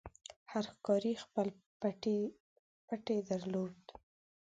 هر ښکاري خپل پټی درلود.